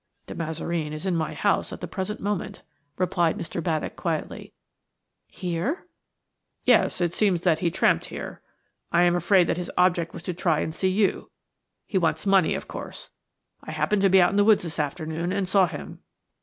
"De Mazareen is in my house at the present moment," replied Mr. Baddock, quietly. "Here?" "Yes. It seems that he tramped here. I am afraid that his object was to try and see you. He wants money, of course. I happened to be out in the woods this afternoon, and saw him.